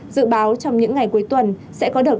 dự báo trong những ngày cuối tuần sẽ có được